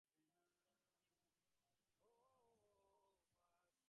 এমন কি, উদ্ধৃতাংশে উভয়েরই লক্ষণ প্রকাশ করা হইয়াছে, বলা যাইতে পারে।